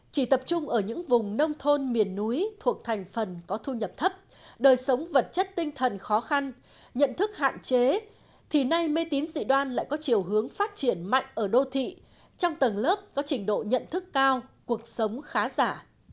chỉ tập trung ở những vùng nông thôn miền núi thuộc thành phần có thu nhập thấp đời sống vật chất tinh thần khó khăn nhận thức hạn chế thì nay mê tín dị đoan lại có chiều hướng phát triển mạnh ở đô thị trong tầng lớp có trình độ nhận thức cao cuộc sống khá giả